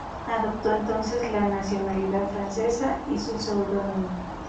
Adoptó entonces la nacionalidad francesa y su pseudónimo.